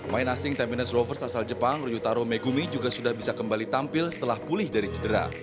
main asing tampiness rovers asal jepang ryutaro megumi juga sudah bisa kembali tampil setelah pulih dari cedera